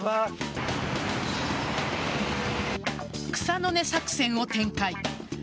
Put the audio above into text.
草の根作戦を展開。